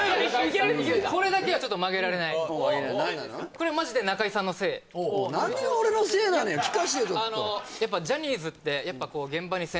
これマジで中居さんのせい何が俺のせいなのよ聞かせてよ